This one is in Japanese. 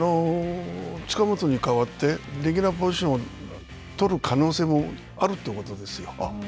近本に代わってレギュラーポジションを取る可能性もあるってことですよ。